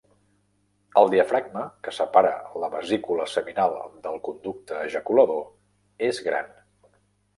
El diafragma, que separa la vesícula seminal del conducte ejaculador, és gran.